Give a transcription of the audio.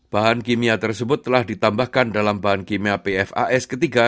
bahan kimia tersebut telah ditambahkan dalam bahan kimia pfas ketiga